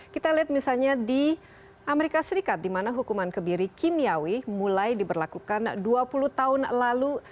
kita lihat misalnya di amerika serikat di mana hukuman kebiri kimiawi mulai diberlakukan dua puluh tahun lalu